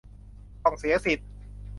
ต้องเสียสิทธิ์